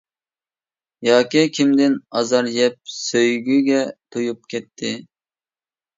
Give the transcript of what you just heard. ياكى كىمدىن ئازار يەپ سۆيگۈگە تويۇپ كەتتى.